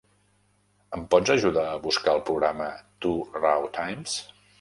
Em pots ajudar a buscar el programa Two Row Times?